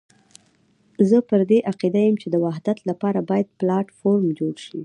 زه پر دې عقيده یم چې د وحدت لپاره باید پلاټ فورم جوړ شي.